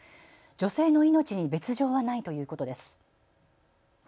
女性の命に別状はないということです。